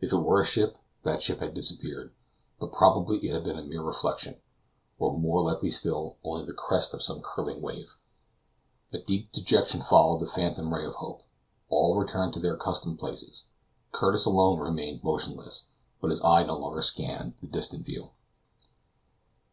If it were a ship, that ship had disappeared; but probably it had been a mere reflection, or, more likely still, only the crest of some curling wave. A deep dejection followed this phantom ray of hope. All returned to their accustomed places. Curtis alone remained motionless, but his eye no longer scanned the distant view.